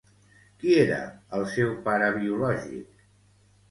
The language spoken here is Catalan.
Qui era el seu pare biològic?